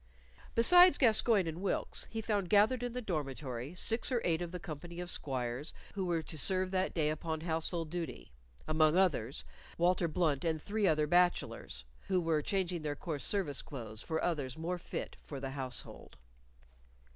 Besides Gascoyne and Wilkes, he found gathered in the dormitory six or eight of the company of squires who were to serve that day upon household duty; among others, Walter Blunt and three other bachelors, who were changing their coarse service clothes for others more fit for the household.